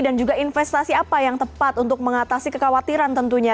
dan juga investasi apa yang tepat untuk mengatasi kekhawatiran tentunya